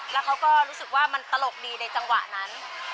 แล้วเขาก็รู้สึกว่ามันตลกดีในจังหวะนั้น